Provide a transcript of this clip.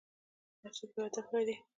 هر څوک یو هدف لري .